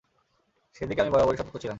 সেদিকে আমি বরাবরই সতর্ক ছিলাম।